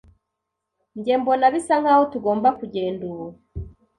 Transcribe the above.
Njye mbona bisa nkaho tugomba kugenda ubu.